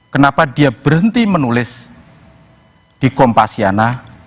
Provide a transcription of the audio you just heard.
kenapa dia berhenti menulis di kompasyana